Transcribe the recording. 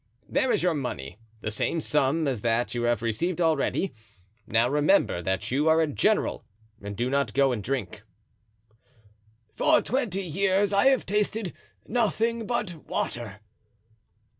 there is your money, the same sum as that you have received already. Now remember that you are a general and do not go and drink." "For twenty years I have tasted nothing but water."